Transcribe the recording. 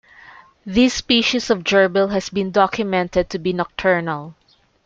This species of gerbil has been documented to be nocturnal.